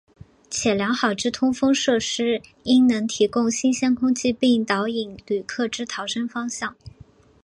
且良好之通风设施应能提供新鲜空气并导引旅客之逃生方向。